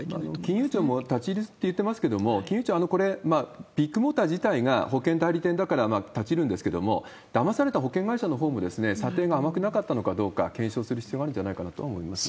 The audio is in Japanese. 金融庁も立ち入りって言ってますけれども、金融庁、これ、ビッグモーター自体が保険代理店だから立ち入るんですけれども、だまされた保険会社のほうも、査定が甘くなかったのかどうか、検証する必要があるんじゃないかなと思いますね。